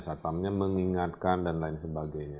satpamnya mengingatkan dan lain sebagainya